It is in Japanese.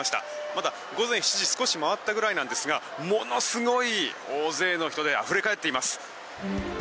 まだ午前７時少し回ったくらいなんですがものすごい大勢の人であふれ返っています。